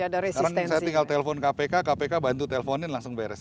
sekarang saya tinggal telepon kpk kpk bantu teleponin langsung beres